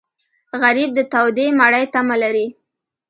غریب د تودې مړۍ تمه لري